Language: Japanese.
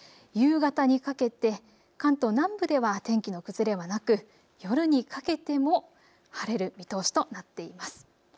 夕方にかけて関東南部では天気の崩れはなく夜にかけても晴れる見通しとなっています。